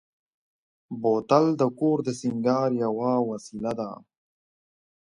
بوتل د کور د سینګار یوه وسیله ده.